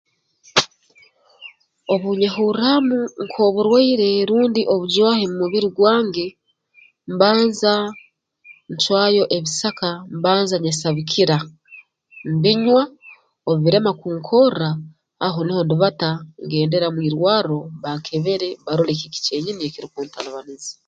Obu nyehurraamu nk'oburwaire rundi obujwahi mu mubiri gwange mbanza ncwayo ebisaka mbanza nyesabikira mbinywa obu birema kunkorra aho nuho ndubata ngendera mu irwarro bankebere barole kiki kyenyini ekirukuntalibaniza